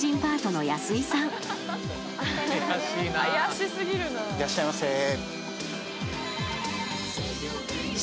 いらっしゃいませ。